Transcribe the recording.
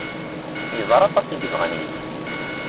Yeẓra aṭas i yebɣan yelli-s.